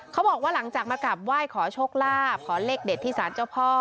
เขาบอกว่าหลังจากมากราบไหว้ขอโชคลาภขอเลขเด็ดที่สารเจ้าพ่อ